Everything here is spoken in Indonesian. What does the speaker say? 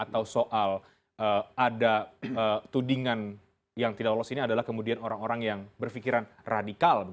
atau soal ada tudingan yang tidak lolos ini adalah kemudian orang orang yang berpikiran radikal